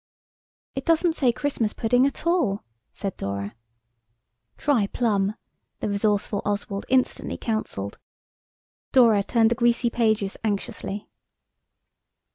"It doesn't say Christmas pudding at all," said Dora. "Try plum," the resourceful Oswald instantly counselled. Dora turned the greasy pages anxiously.